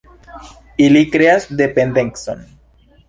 Ili kreas dependecon.